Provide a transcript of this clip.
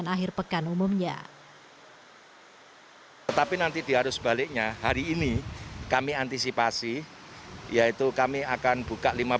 akhir pekan umumnya tetapi nanti diharus baliknya hari ini kami antisipasi yaitu kami akan buka